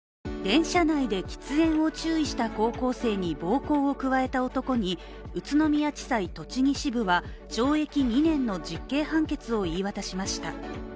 電車内で喫煙を注意した高校生に暴行を加えた男に宇都宮地裁栃木支部は懲役２年の実刑判決を言い渡しました。